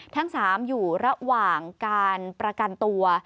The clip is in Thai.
ทั้ง๓อยู่ระหว่างการประกันตัว